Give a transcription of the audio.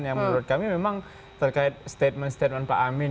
yang menurut kami memang terkait statement statement pak amin